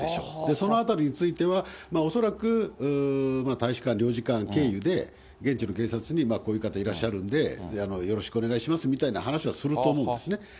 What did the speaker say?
そのあたりについては、恐らく、大使館、領事館経由で、現地の警察にこういう方いらっしゃるんで、よろしくお願いしますみたいな話はすると思うんですね。